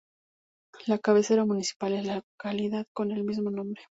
La cabecera municipal es la localidad con el mismo nombre.